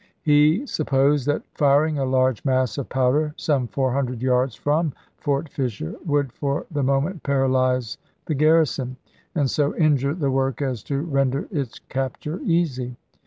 He supposed that firing a large mass of powder some four hundred yards from Fort Fisher would for the moment paralyze the garrison, and so injure the work as to render its capture easy.